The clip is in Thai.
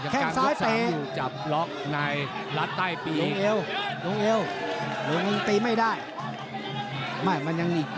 ข้างสายเปลี่ยนลองเอวลองเอวลองเอวตีไม่ได้ไม่มันยังมี